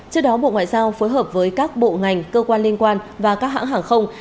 trước đó bộ ngoại giao phối hợp với các bộ ngành cơ quan liên quan và các hãng hàng không